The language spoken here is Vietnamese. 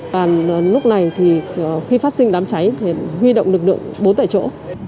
còn lúc này thì khi phát sinh đám cháy thì huy động lực lượng bốn tại chỗ